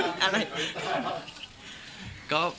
ตั้งแต่วันแรกเพราะอะไรครับ